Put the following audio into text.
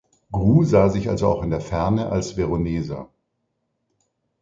Gru sah sich also auch in der Ferne als Veroneser.